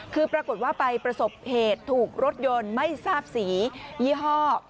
คือปรากฏว่าไปประสบเหตุถูกรถยนต์ไม่ทราบสียี่ห้อ